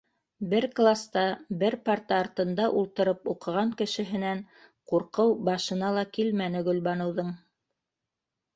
- Бер класта, бер парта артында ултырып уҡыған кешеһенән ҡурҡыу башына ла килмәне Гөлбаныуҙың.